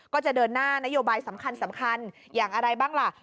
ก็จะเดินหน้านโยบายสำคัญอย่างอะไรบ้างล่ะ